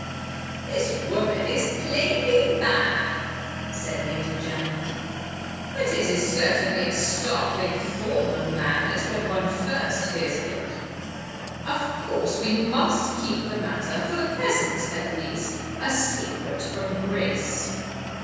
"The woman is plainly mad," said Lady Janet. "But it is certainly a startling form of madness when one first hears of it. Of course we must keep the matter, for the present at least, a secret from Grace."